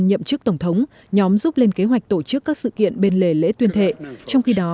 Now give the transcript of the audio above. nhậm chức tổng thống nhóm giúp lên kế hoạch tổ chức các sự kiện bên lề lễ tuyên thệ trong khi đó